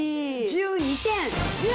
１２点？